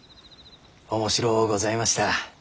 面白うございました。